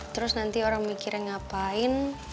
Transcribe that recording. terus nanti orang mikirnya ngapain